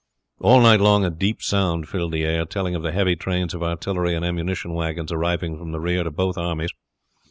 All night long a deep sound filled the air, telling of the heavy trains of artillery and ammunition wagons arriving from the rear to both armies.